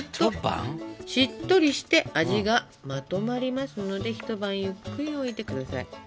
しっとりして味がまとまりますので一晩ゆっくり置いて下さい。